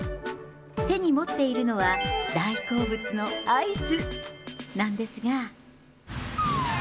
手に持っているのは、大好物のアイスなんですが。